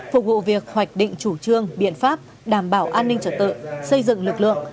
phục vụ việc hoạch định chủ trương biện pháp đảm bảo an ninh trật tự xây dựng lực lượng